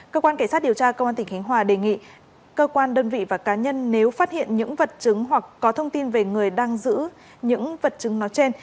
cơ quan cảnh sát điều tra công an tỉnh khánh hòa đề nghị cơ quan đơn vị và cá nhân nếu phát hiện những vật chứng hoặc có thông tin về người đang giữ những vật chứng nó trên